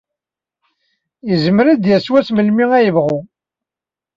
Yezmer ad d-yas melmi ay yebɣa.